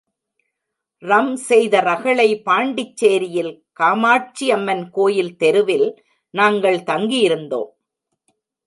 ரம் செய்த ரகளை பாண்டிச்சேரியில் காமாட்சியம்மன் கோயில் தெருவில் நாங்கள் தங்கியிருந்தோம்.